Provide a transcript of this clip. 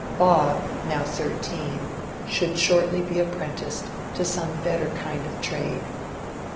Bob, now thirteen, should shortly be apprenticed to some better kind of trade.